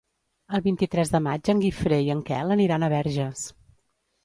El vint-i-tres de maig en Guifré i en Quel aniran a Verges.